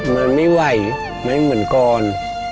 มันไม่ไหวไม่เหมือนก่อน